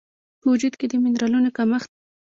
په وجود کې د مېنرالونو کمښت